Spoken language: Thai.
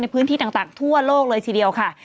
พื้นที่ต่างทั่วโลกเลยทีเดียวค่ะ